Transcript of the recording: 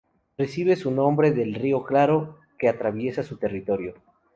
Recibe su nombre del río Claro, que atraviesa su territorio.